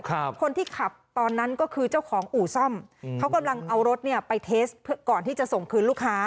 คนที่ขับตอนนั้นก็คือเจ้าของอู่ซ่อมอืมเขากำลังเอารถเนี้ยไปเทสก่อนที่จะส่งคืนลูกค้า